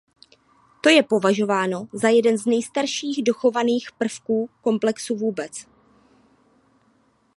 To je považováno za jeden z nejstarších dochovaných prvků komplexu vůbec.